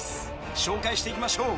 紹介していきましょう